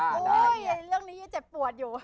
อุ้ยเรื่องนี้เจ็บปวดอยู่